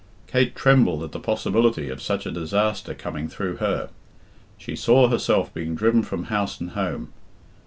Kate trembled at the possibility of such a disaster coming through her. She saw herself being driven from house and home.